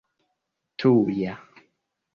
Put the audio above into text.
tuja